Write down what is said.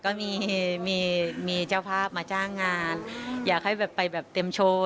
ก็มีมีเจ้าภาพมาจ้างงานอยากให้แบบไปแบบเต็มโชว์